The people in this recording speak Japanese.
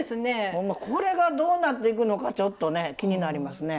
ほんまこれがどうなっていくのかちょっとね気になりますね。